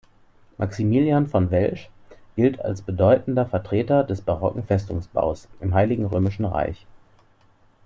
Maximilian von Welsch gilt als bedeutender Vertreter des barocken Festungsbaus im Heiligen Römischen Reich.